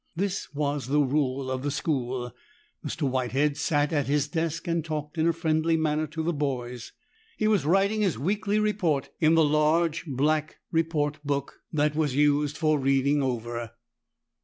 This was the rule of the school. Mr. Whitehead sat at his desk and talked in a friendly manner to the boys. He was writing his weekly report in the large black report book that was used for reading over.